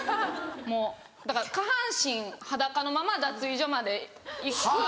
もうだから下半身裸のまま脱衣所まで行く。